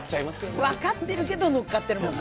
分かってるけど載っかっているもんね。